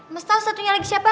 mas tau satunya lagi siapa